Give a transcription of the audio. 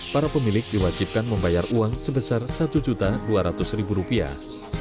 para pemilik diwajibkan membayar uang sebesar satu dua ratus rupiah